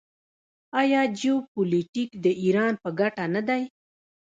آیا جیوپولیټیک د ایران په ګټه نه دی؟